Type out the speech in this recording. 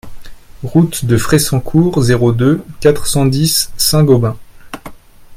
Route de Fressancourt, zéro deux, quatre cent dix Saint-Gobain